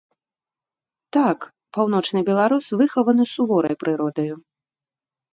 Так, паўночны беларус выхаваны суворай прыродаю.